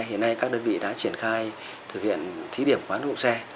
hiện nay các đơn vị đã triển khai thực hiện thí điểm khoán kinh phí xe